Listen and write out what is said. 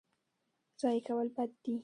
ضایع کول بد دی.